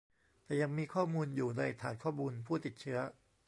แต่ยังมีข้อมูลอยู่ในฐานข้อมูลผู้ติดเชื้อ